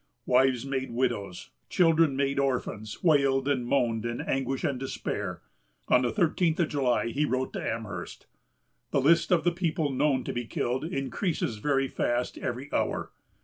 Wives made widows, children made orphans, wailed and moaned in anguish and despair. On the thirteenth of July he wrote to Amherst: "The list of the people known to be killed increases very fast every hour.